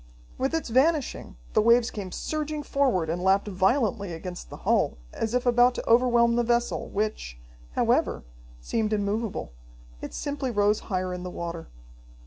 With its vanishing, the waves came surging forward, and lapped violently against the hull, as if about to overwhelm the vessel, which, however, seemed immovable. It simply rose higher in the water.